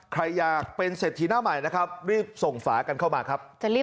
ใครอยากเป็นเศรษฐีหน้าใหม่นะครับรีบส่งฝากันเข้ามาครับ